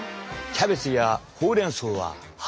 キャベツやほうれんそうは葉。